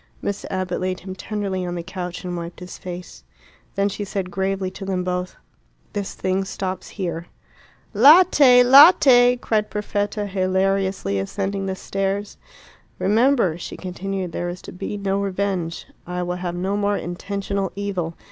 Miss Abbott laid him tenderly on the couch and wiped his face. Then she said gravely to them both, "This thing stops here." "Latte! latte!" cried Perfetta, hilariously ascending the stairs. "Remember," she continued, "there is to be no revenge. I will have no more intentional evil.